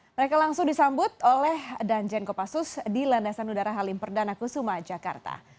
mereka langsung disambut oleh danjen kopassus di landasan udara halim perdana kusuma jakarta